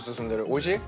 おいしい？